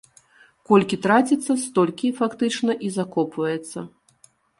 Колькі траціцца, столькі, фактычна, і закопваецца.